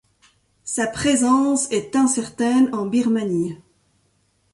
Sa présence est incertaine en Birmanie.